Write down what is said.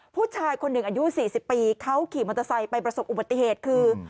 ผู้ชายคนหนึ่งอายุ๔๐ปีเขาขี่มอเตอร์ไซค์ไปประสบอุบัติเหตุคือ